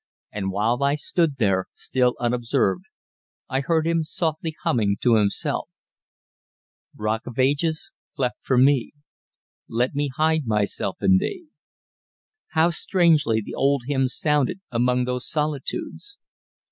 And while I stood there, still unobserved, I heard him softly humming to himself: "Rock of Ages, cleft for me, Let me hide myself in Thee." How strangely the old hymn sounded among those solitudes!